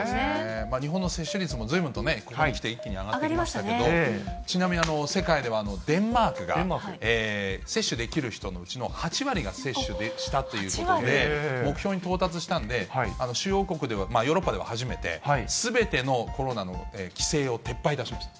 日本の接種率も随分とね、ここに来て一気に上がってきましたけれど、ちなみに世界ではデンマークが、接種できる人のうちの８割が接種したということで、目標に到達したんで、主要国では、ヨーロッパでは初めて、すべてのコロナの規制を撤廃いたしました。